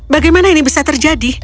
bagaimana ini bisa terjadi